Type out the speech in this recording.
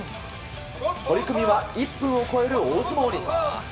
取り組みは１分を超える大相撲に。